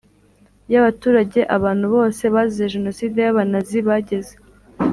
y abaturage Abantu bose bazize Jenoside y Abanazi bageze